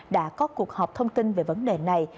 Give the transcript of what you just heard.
đã có cuộc họp thông tin về vấn đề này